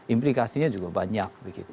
implikasinya juga banyak